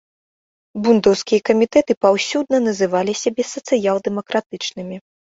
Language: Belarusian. Бундаўскія камітэты паўсюдна называлі сябе сацыял-дэмакратычнымі.